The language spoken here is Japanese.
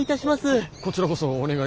こちらこそお願い